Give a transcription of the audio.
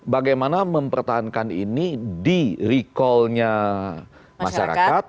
bagaimana mempertahankan ini di recallnya masyarakat